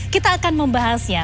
kita akan membahasnya